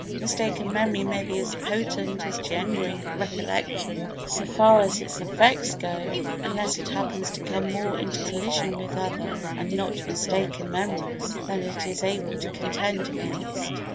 Mistaken memory may be as potent as genuine recollection, so far as its effects go, unless it happens to come more into collision with other and not mistaken memories than it is able to contend against.